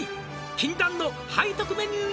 「禁断の背徳メニューに」